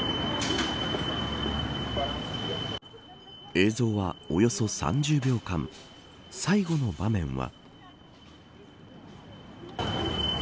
映像はおよそ３０秒間最後の場面は。